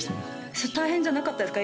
それ大変じゃなかったですか？